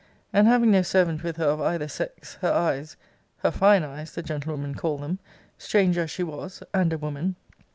And having no servant with her of either sex, her eyes, [her fine eyes, the gentlewoman called them, stranger as she was, and a woman!